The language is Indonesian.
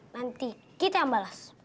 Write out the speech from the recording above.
nanti kita yang balas